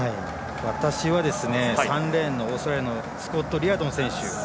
私は、３レーンのスコット・リアドン選手。